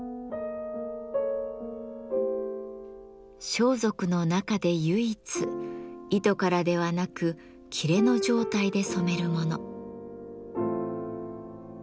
装束の中で唯一糸からではなく裂の状態で染めるもの。